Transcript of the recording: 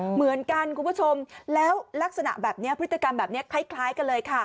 เหมือนกันคุณผู้ชมแล้วลักษณะแบบนี้พฤติกรรมขายกันเลย